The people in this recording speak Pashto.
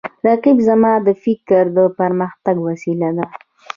رقیب زما د فکر د پرمختګ وسیله ده